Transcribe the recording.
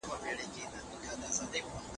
تخلیقي ادب د نوي ژوند مانا ورکوي.